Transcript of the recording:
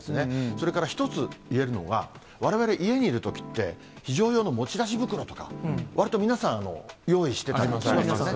それから１つ言えるのは、われわれ、家にいるときって、非常用の持ち出し袋とか、わりと皆さん、用意してますよね。